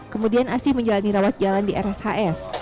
kemudian asi menjalani rawat jalan di rshs